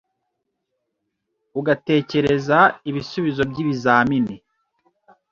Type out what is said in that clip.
ugatekereza ibisubizo by’ibizamini